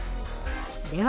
では